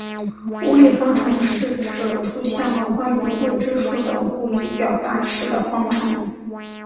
无理方程是指出现了关于未知数的无理表达式的方程。